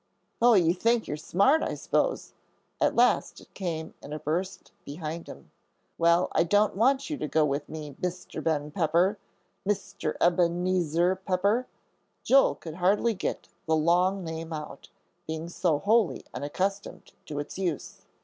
"Oh, you think you're smart, I s'pose," at last it came in a burst behind him. "Well, I don't want you to go with me, Mr. Ben Pepper Mr. Ebenezer Pepper." Joel could hardly get the long name out, being so wholly unaccustomed to its use.